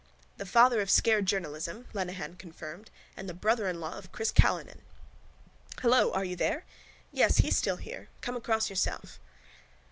—The father of scare journalism, Lenehan confirmed, and the brother in law of Chris Callinan. —Hello?... Are you there?... Yes, he's here still. Come across yourself.